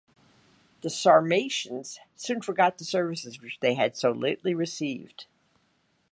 The Sarmatians soon forgot the services which they had so lately received.